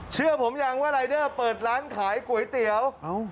เชื่อผมยังว่ารายเดอร์เปิดร้านขายก๋วยเตี๋ยว